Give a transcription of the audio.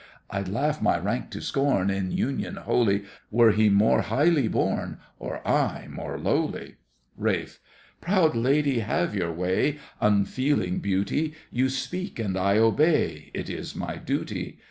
I'd laugh my rank to scorn In union holy, Were he more highly born Or I more lowly! RALPH. Proud lady, have your way, Unfeeling beauty! You speak and I obey, It is my duty!